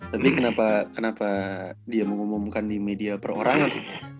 tapi kenapa dia mau ngumumkan di media per orangan